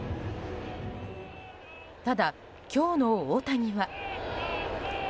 ただ、今日の大谷は。